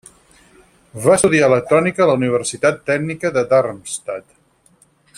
Va estudiar electrònica a la Universitat Tècnica de Darmstadt.